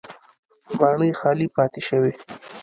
ماڼۍ خالي پاتې شوې